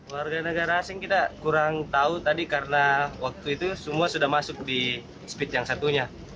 warga negara asing kita kurang tahu tadi karena waktu itu semua sudah masuk di speed yang satunya